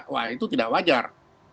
wah itu tidak wajar